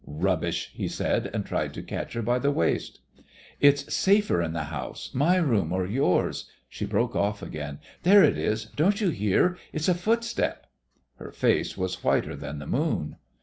"Rubbish," he said, and tried to catch her by the waist. "It's safer in the house my room or yours " She broke off again. "There it is don't you hear? It's a footstep!" Her face was whiter than the moon.